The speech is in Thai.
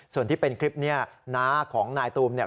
ส่วนที่เป็นคลิปนี้น้าของนายตูมเนี่ย